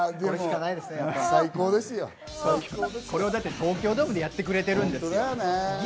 でも、最高ですこれを東京ドームでやってくれてるんですもん。